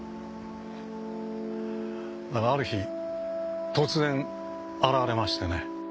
だがある日突然現れましてね。